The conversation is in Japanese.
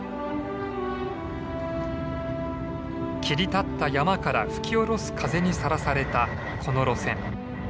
切り立った山から吹き下ろす風にさらされたこの路線。